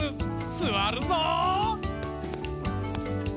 すわるぞう！